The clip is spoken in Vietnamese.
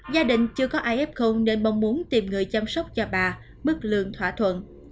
gia đình chưa có ai f nên mong muốn tìm người chăm sóc cho bà bức lượng thỏa thuận